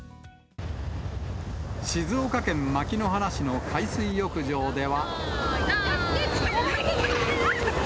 静岡県牧之原市の海水浴場では。